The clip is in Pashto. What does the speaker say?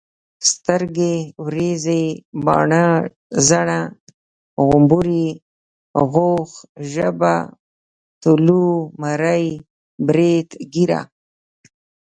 سترګي ، وريزي، باڼه، زنه، غمبوري، غاښ، ژبه ،تالو، مرۍ، بريت، ګيره